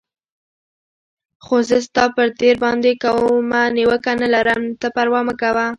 خو زه ستا پر تېر باندې کومه نیوکه نه لرم، ته پروا مه کوه.